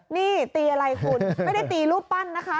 นี่ตีอะไรคุณไม่ได้ตีรูปปั้นนะคะ